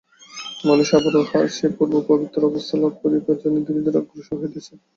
মানুষ আবার উহার সেই পূর্ব পবিত্র অবস্থা লাভ করিবার জন্য ধীরে ধীরে অগ্রসর হইতেছে।